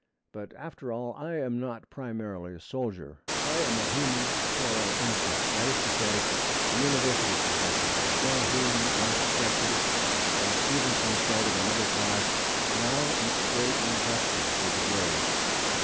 But after all I am not primarily a soldier: I am a human coral insect that is to say, a university professor, before whom life stretches, as Stevenson said of another class, 'long and straight and dusty to the grave.'